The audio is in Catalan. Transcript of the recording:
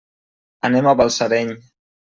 Anem a Balsareny.